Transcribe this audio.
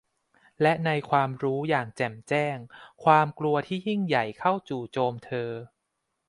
และในความรู้อย่างแจ่มแจ้ง ความกลัวที่ยิ่งใหญ่เข้าจู่โจมเธอ